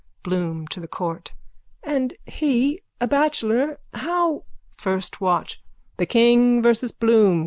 BLOOM: (To the court.) And he, a bachelor, how... FIRST WATCH: The King versus Bloom.